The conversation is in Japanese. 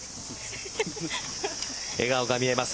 笑顔が見えます。